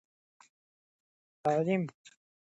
تعلیم د تيارو په وړاندې یوه رڼا ده.